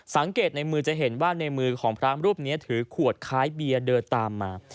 สังเกตในมือจะเห็นว่าในมือของพระรูปนี้ถือขวดคล้ายเบียร์เดินตามมา